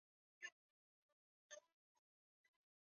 Umeme wa jamhuri ya kidemocrasia ya kongo inaenda ata inchi ya kigeni